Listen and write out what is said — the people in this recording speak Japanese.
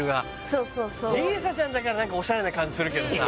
そうそうそう里依紗ちゃんだから何かオシャレな感じするけどさ